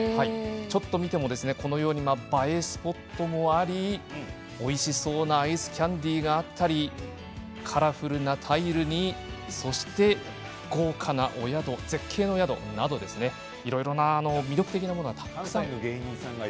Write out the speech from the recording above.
ちょっと見ても映えスポットもありおいしそうなアイスキャンデーがあったりカラフルなタイルに豪華なお宿絶景の宿などいろいろ魅力的なものがたくさんあるんです。